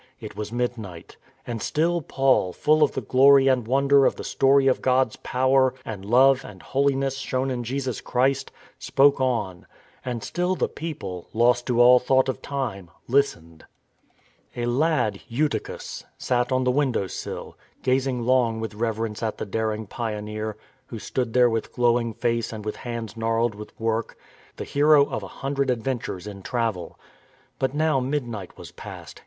It was midnight. And still Paul, full of the glory and won der of the story of God's power and love and holiness THE FOILED PLOT 275 shown in Jesus Christ, spoke on; and still the people — lost to all thought of time — listened. A lad, Eutychus, sat on the window sill, gazing long with reverence at the daring pioneer who stood there with glowing face and with hands gnarled with work, the hero of a hundred adventures in travel. But now midnight was past.